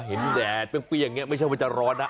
แดดเปรี้ยงอย่างนี้ไม่ใช่ว่าจะร้อนนะ